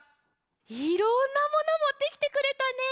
いろんなモノもってきてくれたね。